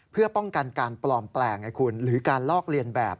เพื่อป้องกันการปลอมแปลงหรือการลอกเลียนแบบ